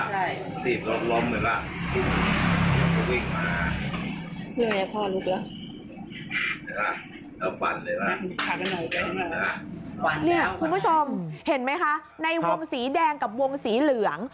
คุณผู้ชมเห็นไหมคะในวงสีแดงกับวงสีเหลือง